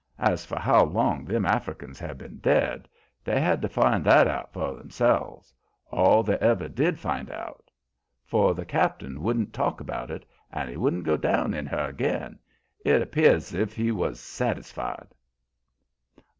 As for how long them Africans had been dead, they had to find that out for themselves, all they ever did find out, for the cap'n wouldn't talk about it, and he wouldn't go down in her again. It 'peared's if he was satisfied.